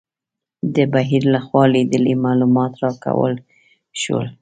د بهیر لخوا لیدلي معلومات راکول شول.